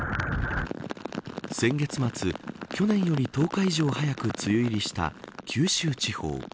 先月末、去年より１０日以上早く梅雨入りした九州地方。